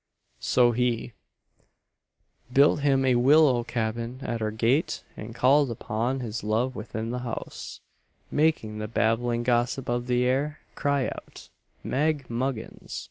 So he "Built him a willow cabin at her gate, And called upon his love within the house Making the babbling gossip of the air Cry out Meg Muggins!"